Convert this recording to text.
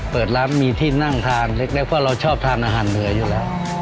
เปิดร้านมีที่นั่งทานเล็กเพราะเราชอบทานอาหารเหนืออยู่แล้ว